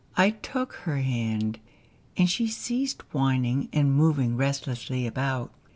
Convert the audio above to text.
I took her hand, and she ceased whining and moving restlessly about.